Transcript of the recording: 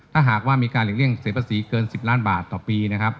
ถ้าหากว่ามีการหลีกเลี่ยงเสียภาษีเกิน๑๐ล้านบาทต่อปีนะครับ